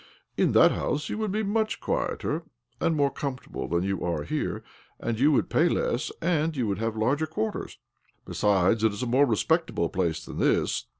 " In that house you would be much quieter and more comfortable than you are here, and you would pay less, and you would have larger qviarters. Besides, it is a more respect able place than this.